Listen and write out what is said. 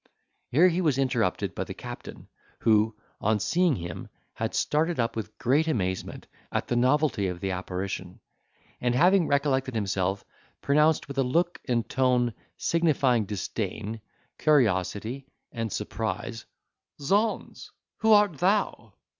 Here he was interrupted by the captain, who, on seeing him, had started up with great amazement, at the novelty of the apparition; and, having recollected himself, pronounced with a look and tone signifying disdain, curiosity and surprise, "Zauns! who art thou?"